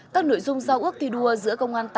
các nội dung giao ước thi đua giữa công an